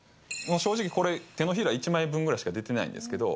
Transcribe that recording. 正直、これ、手のひら１枚分ぐらいしか出てないんですけれども、